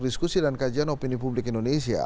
diskusi dan kajian opini publik indonesia